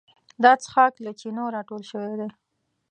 دا څښاک له چینو راټول شوی دی.